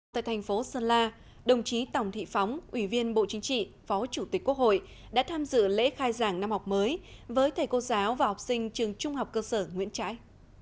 tại thành phố sơn la đồng chí tổng thị phóng ủy viên bộ chính trị phó chủ tịch quốc hội đã tham dự lễ khai giảng năm học mới với thầy cô giáo và học sinh trường trung học cơ sở nguyễn trãi